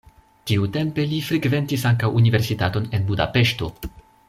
Tiutempe li frekventis ankaŭ universitaton en Budapeŝto.